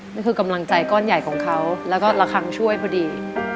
นี่คือกำลังใจก้อนใหญ่แล้วก็ละครั้งช่วยพอดี